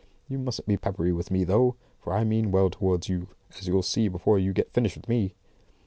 You mustn't be peppery with me, though; for I mean well towards you, as you'll see before you get finished with me."